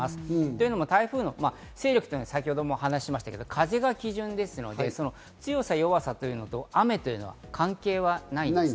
というのも台風の勢力の話を先ほどもしましたが、風が基準なので、強さ弱さというのと雨は関係はないです。